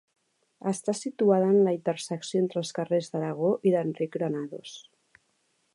Està situada en la intersecció entre els carrers d'Aragó i d'Enric Granados.